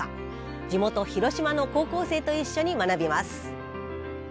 地元広島の高校生と一緒に学びます。